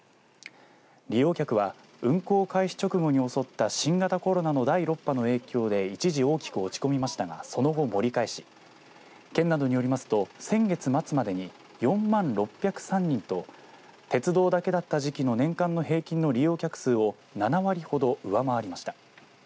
利用客は運行開始直後に襲った新型コロナの第６波の影響で一時大きく落ち込みましたがその後盛り返し県などによりますと先月末までに４万６０３人と鉄道だけだった時期の年間の平均の利用客数を７割ほど上回りました。